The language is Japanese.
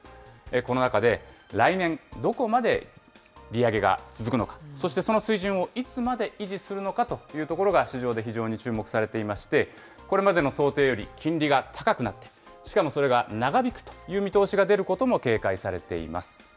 この中で、来年、どこまで利上げが続くのか、そして、その水準をいつまで維持するのかというところが、市場で非常に注目されていまして、これまでの想定より金利が高くなって、しかもそれが長引くという見通しが出ることも警戒されています。